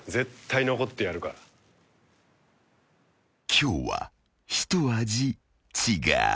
［今日は一味違う］